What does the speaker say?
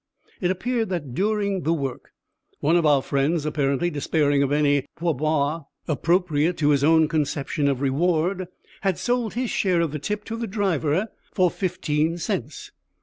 It appeared that during the work one of our friends, apparently despairing of any pourboire appropriate to his own conceptions of reward, had sold his share of the tip to the driver for fifteen cents.